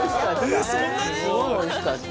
すごいおいしかった。